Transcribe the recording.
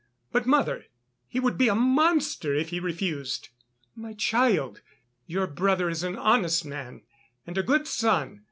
But, mother, he would be a monster if he refused!" "My child, your brother is an honest man and a good son.